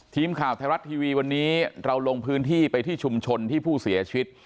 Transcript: ทีมข่าวไทยรัฐทีวีวันนี้เราลงพื้นที่ไปที่ชุมชนที่ผู้เสียชีวิต